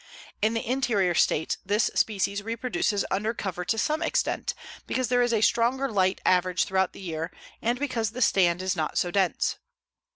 In the interior states this species reproduces under cover to some extent, because there is a stronger light average throughout the year and because the stand is not so dense.